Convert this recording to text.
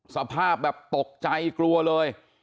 สภาพแบบตกใจกลัวเลย